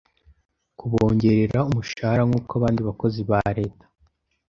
kubongerera umushahara nkuko abandi bakozi ba Leta